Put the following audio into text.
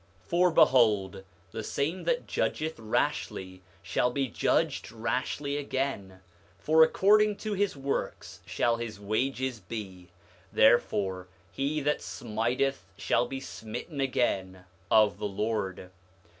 8:19 For behold, the same that judgeth rashly shall be judged rashly again; for according to his works shall his wages be; therefore, he that smiteth shall be smitten again, of the Lord.